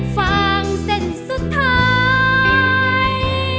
ฟางเส้นสุดท้าย